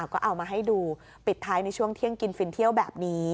ก็เอามาให้ดูปิดท้ายในช่วงเที่ยงกินฟินเที่ยวแบบนี้